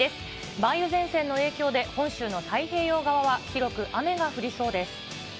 梅雨前線の影響で本州の太平洋側は広く雨が降りそうです。